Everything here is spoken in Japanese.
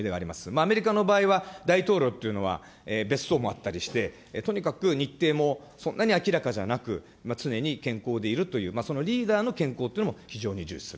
アメリカの場合は大統領というのは、別荘もあったりして、とにかく日程もそんなに明らかじゃなく、常に健康でいるという、そのリーダーの健康というのも非常に重視する。